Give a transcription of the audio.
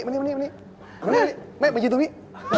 มานี่มันยืนตรงนี้